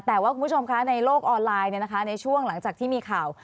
แล้วคุณผู้ชมคะในโลกออนไลน์ทั้งวันหลังจากที่มีข่าว